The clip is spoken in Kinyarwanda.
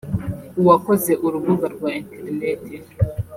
uwakoze urubuga rwa internet